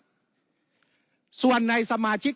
แต่การเลือกนายกรัฐมนตรี